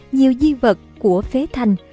nhiều di vật của phế thành